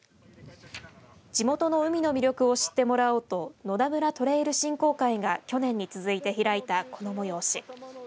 地元の海の魅力を知ってもらおうと野田村トレイル振興会が去年に続いて開いたこの催し。